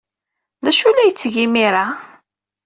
D acu ay la yetteg imir-a?